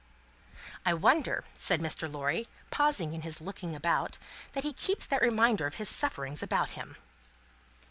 "I wonder," said Mr. Lorry, pausing in his looking about, "that he keeps that reminder of his sufferings about him!"